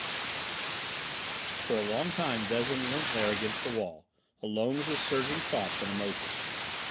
V For a long time Vezin leant there against the wall, alone with his surging thoughts and emotions.